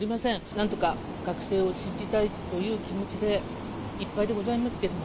なんとか学生を信じたいという気持ちでいっぱいでございますけれども、